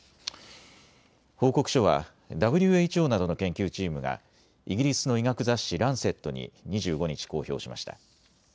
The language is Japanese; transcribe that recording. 報告書はＷＨＯなどの研究チームがイギリスの医学雑誌、ランセットに２５日、公表しました。